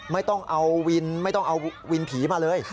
ไม่ต้องเอาวินผีมาเลย